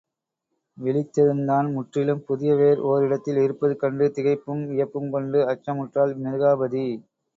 விழித்ததும் தான் முற்றிலும் புதிய வேறு ஓர் இடத்தில் இருப்பது கண்டு திகைப்பும் வியப்பும் கொண்டு, அச்சமுற்றாள் மிருகாபதி.